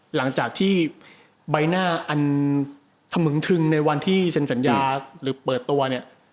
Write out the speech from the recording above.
หลังจากที่ใบหน้าอันถมึงทึงในวันที่เซ็นสัญญาหรือเปิดตัวเนี่ย